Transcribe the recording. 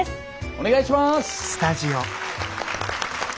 お願いします。